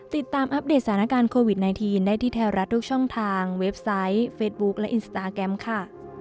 อัปเดตสถานการณ์โควิด๑๙ได้ที่ไทยรัฐทุกช่องทางเว็บไซต์เฟซบุ๊คและอินสตาแกรมค่ะ